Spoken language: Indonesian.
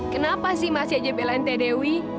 kenapa sih masih aja belain teh dewi